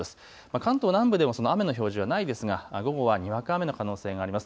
関東南部では雨の表示はないですが午後はにわか雨の可能性があります。